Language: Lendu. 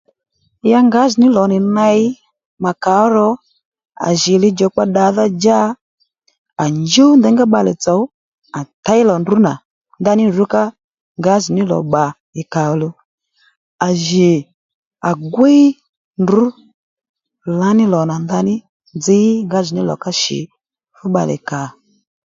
Ya ngǎjì ní lò nì ney mà kà ó ro à jì lidjòkpa ddadha dja à njúw nděyngá bbalè tso à tey lò ndrǔ nà ndaní ndrǔ ka ngǎjì ní lò bbà ì kà ò luw à jì à gwíy ndrǔ lǎ ní lò nà ndaní nzǐ ngǎjìní lò ká shì fú bbalè kà